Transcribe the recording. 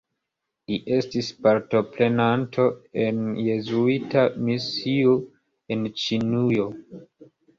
Li estis partoprenanto en Jezuita misio en Ĉinujo.